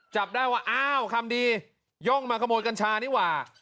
จับได้ว่าอ้าวคำดีย่องมาขโมยกัญชานี่หว่า